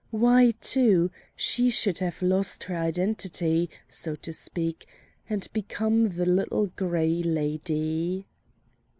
Why, too, she should have lost her identity, so to speak, and become the Little Gray Lady.